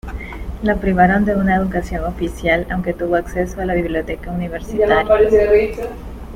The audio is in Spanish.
La privaron de una educación oficial, aunque tuvo acceso a la biblioteca universitaria.